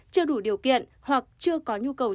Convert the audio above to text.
chưa đủ điều kiện hoặc chưa có nhu cầu